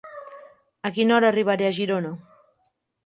A quina hora arribaré a Girona?